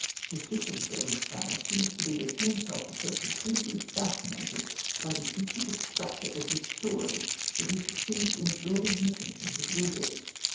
The secret of Godwin's power seems to be that he himself was so completely fascinated by the intricate structure of his story that he succeeds in absorbing the attention of his readers.